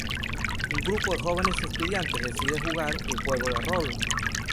Un grupo de jóvenes estudiantes deciden jugar a un juego de rol.